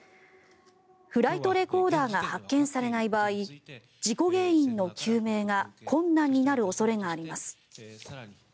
フライトレコーダーが発見されない場合事故原因の究明が困難になる恐れがあります。